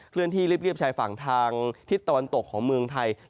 เลื่อนที่เรียบชายฝั่งทางทิศตะวันตกของเมืองไทย